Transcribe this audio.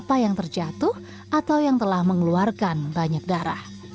siapa yang terjatuh atau yang telah mengeluarkan banyak darah